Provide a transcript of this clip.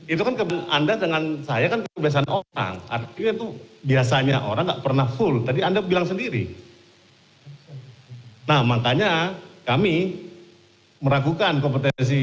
itu kan anda dengan saya kan kebiasaan orang